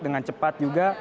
dengan cepat juga